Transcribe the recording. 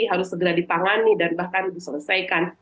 harus segera ditangani dan bahkan diselesaikan